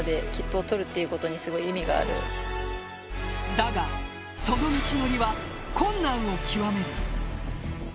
だが、その道のりは困難を極める。